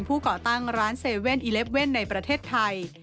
ก่อตั้งร้าน๗๑๑ในประเทศไทย